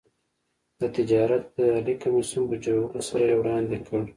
د تجارت فدرالي کمېسیون په جوړولو سره یې وړاندې کړ.